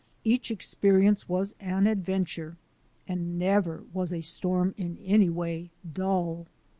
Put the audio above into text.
Each experience was an adventure, and never was a storm in any way dull.